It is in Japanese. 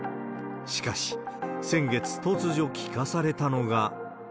しかし先月、突如聞かされたのが。